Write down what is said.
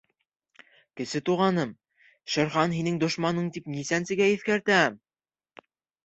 — Кесе Туғаным, Шер Хан — һинең дошманың, тип нисәнсе-гә иҫкәртәм?